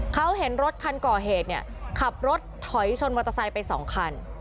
เขาเห็นรถคันก่อเหตุเนี่ยขับรถถอยชนมอเตอร์ไซค์ไปสองคัน